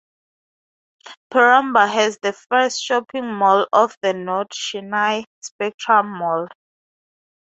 Perambur has the first shopping mall of the north Chennai: Spectrum Mall.